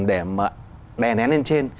để mà đè nén lên trên